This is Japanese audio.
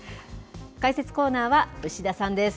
解説コーナーは牛田さんです。